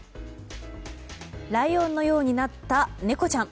ライオンのようになった猫ちゃん。